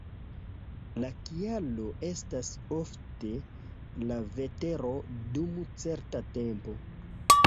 La kialo estas ofte la vetero dum certa tempo.